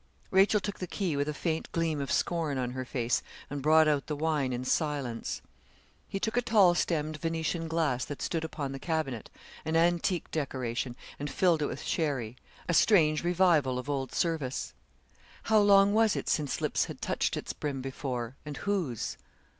Rachel took the key with a faint gleam of scorn on her face and brought out the wine in silence. He took a tall stemmed Venetian glass that stood upon the cabinet, an antique decoration, and filled it with sherry a strange revival of old service! How long was it since lips had touched its brim before, and whose?